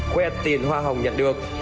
khoe tiền hoa hồng nhận được